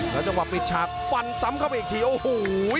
แล้วจังหวะปิดฉากฟันซ้ำเข้าไปอีกทีโอ้โห